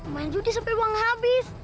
main judi sampai uang habis